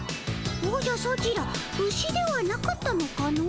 おじゃソチら牛ではなかったのかの？